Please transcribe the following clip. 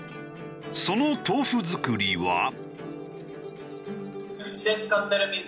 その豆腐作りは。